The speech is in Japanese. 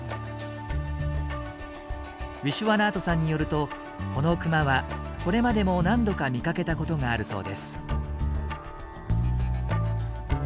ウィシュワナートさんによるとこのクマはこれまでも何度か見かけたことがあるそうです。